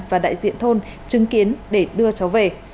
và đại diện thôn chứng kiến để đưa cháu về